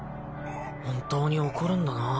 本当に起こるんだなぁ。